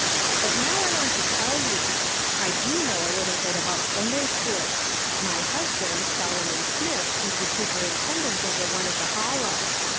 But now I want to tell you: I do know a little bit about Sunday schools. My husband, Solomon Smith, is the super intendent of the one at the Hollow.